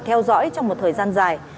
theo dõi trong một thời gian dài